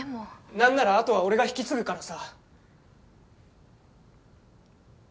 なんなら後は俺が引き継ぐからさ。